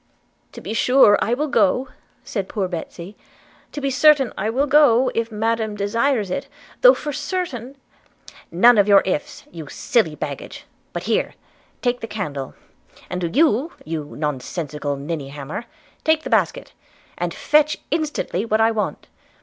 'To be sure, I will go,' said poor Betsy; 'to be certain, I will go, if madam she desires it; though for certain –' 'None of your ifs, you silly baggage, but here, take the candle; and do you, you nonsensical ninnyhammer, take the basket, and fetch instantly what I want.